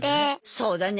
そうだね。